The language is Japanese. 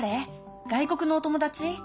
外国のお友達？